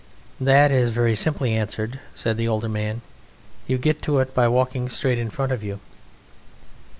"That is very simply answered," said the elder man; "you get to it by walking straight in front of you."